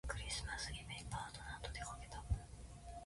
クリスマスイブにパートナーとでかけた